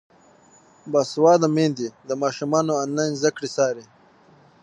باسواده میندې د ماشومانو انلاین زده کړې څاري.